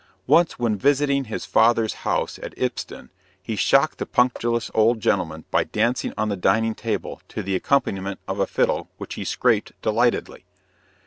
Once, when visiting his father's house at Ipsden, he shocked the punctilious old gentleman by dancing on the dining table to the accompaniment of a fiddle, which he scraped delightedly.